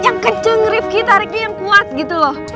yang kenceng rifki tariknya yang kuat gitu loh